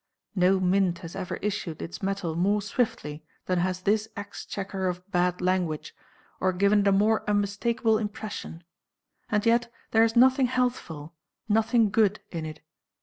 No mint has ever issued its metal more swiftly than has this exchequer of bad language, or given it a more unmistakable impression. And yet there is nothing healthful, nothing good in it.